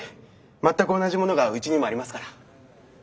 全く同じものがうちにもありますから。